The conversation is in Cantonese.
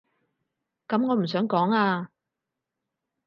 噉我唔想講啊